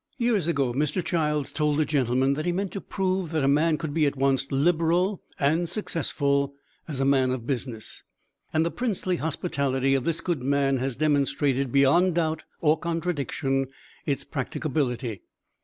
Years ago Mr. Childs told a gentleman that he meant to prove that a man could be at once liberal and successful as a man of business, and the princely hospitality of this good man has demonstrated, beyond doubt or contradiction, its practicability.